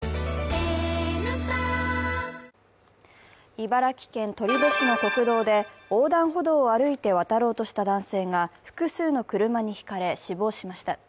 茨城県取手市の国道で横断歩道を歩いて渡ろうとした男性が複数の車にひかれ、死亡しました。